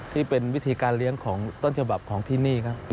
ที่เป็นวิธีการเลี้ยงของต้นฉบับของที่นี่ครับ